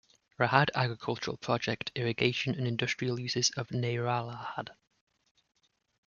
Rahad Agricultural Project irrigation and industrial uses of Nehralarhad.